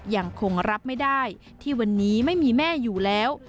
ยังคงรับไม่ได้ที่วันนี้ไม่มีแม่อยู่แล้ว